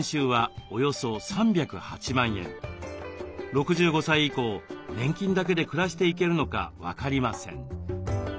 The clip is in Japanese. ６５歳以降年金だけで暮らしていけるのか分かりません。